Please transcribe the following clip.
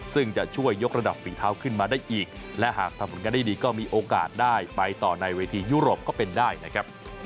ซึ่งจะช่วยยกระดับฝีเท้าขึ้นมาได้อีกและหากทำผลงานได้ดีก็มีโอกาสได้ไปต่อในเวทียุโรปก็เป็นได้นะครับ